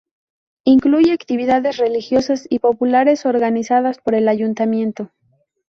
Incluye actividades religiosas y populares organizadas por el ayuntamiento.